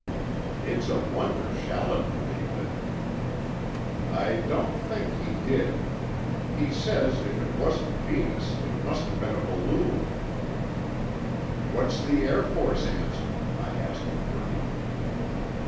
"It's a wonder Shallett believed it." "I don't think he did. He says if it wasn't Venus, it must have been a balloon." "What's the Air Force answer?" I asked Purdy.